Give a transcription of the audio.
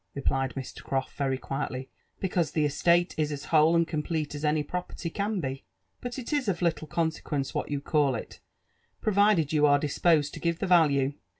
replied Mr. Croft very qnielly, "because the estate is as whole and complete as any property can be. But it is of little consequence what you call it, provided you are disposed to give the value.